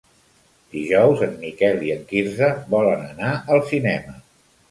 Dijous en Miquel i en Quirze volen anar al cinema.